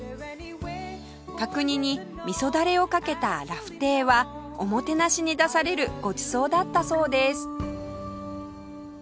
角煮にみそダレをかけたラフテーはおもてなしに出されるごちそうだったそうです